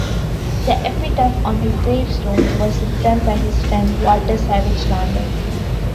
The epitaph on his grave stone was written by his friend Walter Savage Landor.